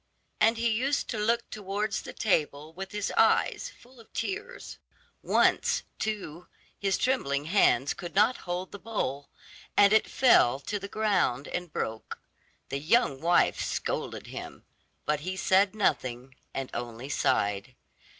And he used to look towards the table with his eyes full of tears. Once, too, his trembling hands could not hold the bowl, and it fell to the ground and broke. The young wife scolded him, but he said nothing and only sighed.